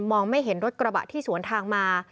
ไม่เห็นรถกระบะที่สวนทางมา